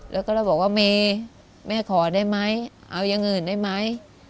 แล้วก็เราบอกว่าเมย์แม่ขอได้ไหมเอาอย่างอื่นได้ไหม